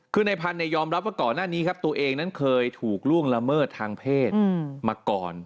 คือในพันธุ์ยอมรับว่าก่อนหน้านี้ครับตัวเองนั้นเคยถูกล่วงละเมิดทางเพศมาก่อน